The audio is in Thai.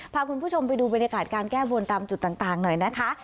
พาคุณผู้ชมไปดูบรรยากาศการแก้บนตามจุดต่างหน่อยนะคะ